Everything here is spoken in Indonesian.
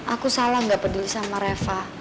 aku salah gak peduli sama reva